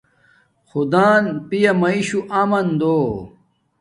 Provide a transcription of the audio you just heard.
خدان پیامیشو آمان دو